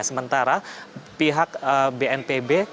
sementara pihak bnpb